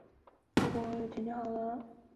圣日尔曼德克莱雷弗伊尔。